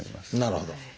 なるほど。